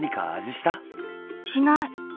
しない。